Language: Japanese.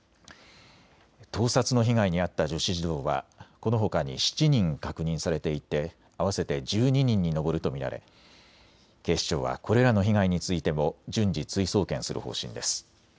盗撮の被害に遭った女子児童はこのほかに７人確認されていて合わせて１２人に上ると見られ警視庁はこれらの被害についても順次、追送検する方針です。